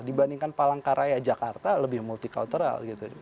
dibandingkan palangkaraya jakarta lebih multi kultural gitu